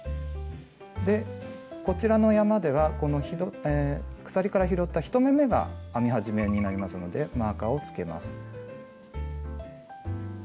こちらの山では鎖から拾った１目めが編み始めになりますのでマーカーをつけます。